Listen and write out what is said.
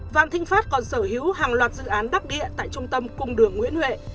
phan thịnh pháp còn sở hữu hàng loạt dự án đắc địa tại trung tâm cung đường nguyễn huệ